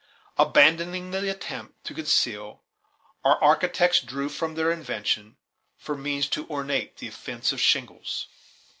Abandoning the attempt to conceal, our architects drew upon their invention for means to ornament the offensive shingles.